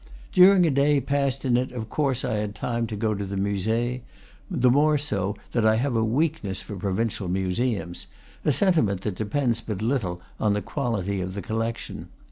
During a day passed in it of course I had time to go to the Musee; the more so that I have a weakness for provincial museums, a sentiment that depends but little on the quality of the collection.